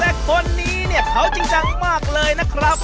และคนนี้เขาจริงจังมากเลยนะครับ